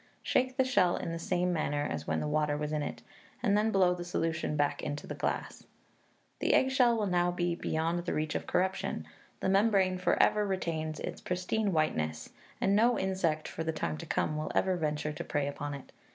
Shake the shell in the same manner as when the water was in it, and then blow the solution back into the glass. The eggshell will now be beyond the reach of corruption; the membrane for ever retains its pristine whiteness, and no insect, for the time to come, will ever venture to prey upon it.